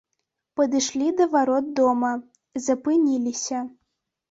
Падышлі да варот дома, запыніліся.